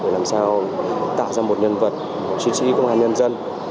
để làm sao tạo ra một nhân vật trí trí của công an nhân dân